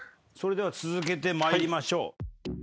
それでは続けて参りましょう。